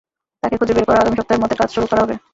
তাকে খুঁজে বের করে আগামী সপ্তাহের মধ্যে কাজ শুরু করা হবে।